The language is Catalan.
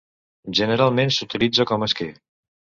Generalment s'utilitza com a esquer.